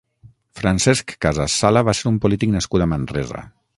Francesc Casas Sala va ser un polític nascut a Manresa.